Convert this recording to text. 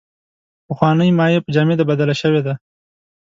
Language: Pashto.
پخوانۍ مایع په جامد بدله شوې ده.